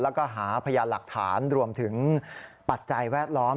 แล้วก็หาพยานหลักฐานรวมถึงปัจจัยแวดล้อม